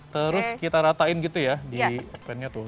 terus kita ratain gitu ya di pennya tuh